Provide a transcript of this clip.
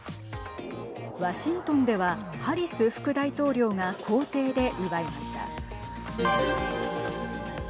ワシントンではハリス副大統領が公邸で祝いました。